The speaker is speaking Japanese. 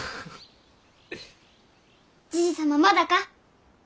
じじ様まだか。